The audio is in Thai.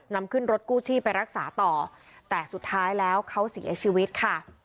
นำขึ้นรถกู้ชีพไปรักษาต่อแต่สุดท้ายแล้วเขาเสียชีวิตค่ะ